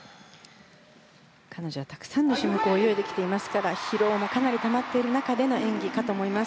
彼女は、たくさんの種目を泳いできていますから疲労もかなりたまっている中での演技かと思います。